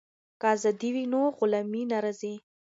که ازادي وي نو غلامي نه راځي.